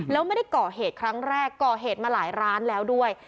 แล้วไม่ได้ก่อเหตุครั้งแรกก่อเหตุมาหลายร้านแล้วด้วย